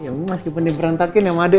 ya emang meskipun diperantakin ya emak adik